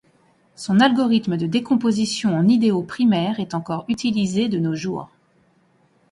Son algorithme de décomposition en idéaux primaires est encore utilisé de nos jours.